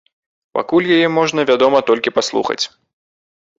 Пакуль яе можна, вядома, толькі паслухаць.